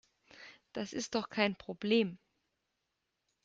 Das ist doch kein Problem.